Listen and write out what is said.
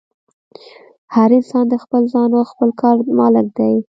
هر انسان د خپل ځان او خپل کار مالک دی.